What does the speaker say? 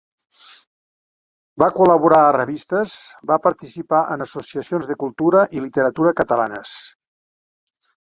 Va col·laborar a revistes, va participar en associacions de cultura i literatura catalanes.